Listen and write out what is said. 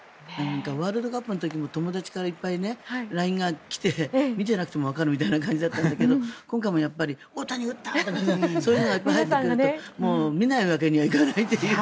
ワールドカップの時からも友達からいっぱいＬＩＮＥが来て見ていなくてもわかるみたいな感じだったけど今回もやっぱり大谷、打った！とかそういうのがいっぱい入ってくると見ないわけにはいかないという。